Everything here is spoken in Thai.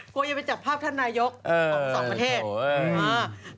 กลัวอย่าไปจับภาพท่านนายกส่องประเทศ